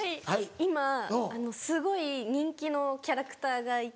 今すごい人気のキャラクターがいて。